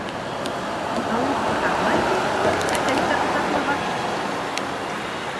Тауыҡ ҡытаҡлай тип, әтәс тә ҡытаҡлаған.